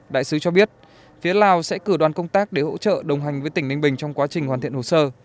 đại sứ cho biết phía lào sẽ cử đoàn công tác để hỗ trợ đồng hành với tỉnh ninh bình trong quá trình hoàn thiện hồ sơ